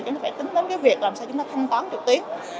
chúng ta phải tính đến việc làm sao chúng ta thanh toán trực tuyến